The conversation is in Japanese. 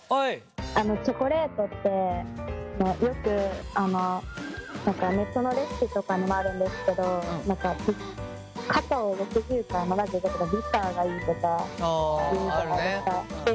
チョコレートってよくネットのレシピとかにもあるんですけどカカオ６０から７０とかビターがいいとかいうじゃないですか。